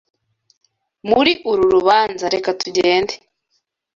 Muri uru rubanza, reka tugende.